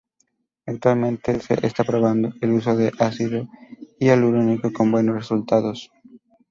Actualmente se está probando el uso de ácido hialurónico con buenos resultados.